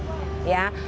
minuman rempah ya